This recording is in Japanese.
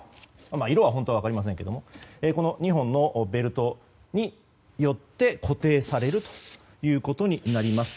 色は本当は分かりませんがこの２本のベルトによって固定されることになります。